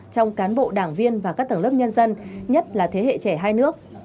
trong cán bộ đảng viên và các tầng lớp nhân dân nhất là thế hệ trẻ hai nước